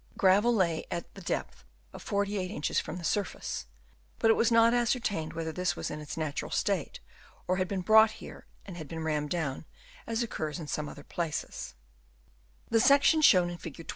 Gravel lay at the depth of 48 inches from the surface ; but it was not ascertained whether this was in its natural state, or had been brought here and had been rammed down, as occurs in some other places. Chap. IV. OF ANCIENT BUILDINGS. 209 The section shown in Fig.